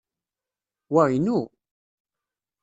Wa inu!